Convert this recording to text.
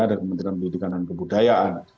ada kementerian pendidikan dan kebudayaan